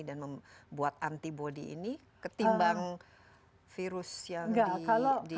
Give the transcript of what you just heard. dan membuat antibody ini ketimbang virus yang dimatikan